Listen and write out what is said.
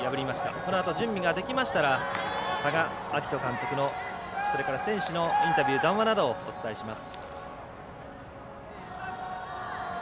このあと準備ができましたら多賀章仁監督の選手のインタビュー、談話などをお伝えします。